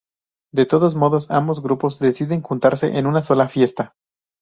De todos modos, ambos grupos deciden juntarse en una sola fiesta.